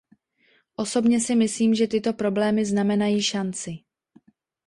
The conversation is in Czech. Osobně si myslím, že tyto problémy znamenají šanci.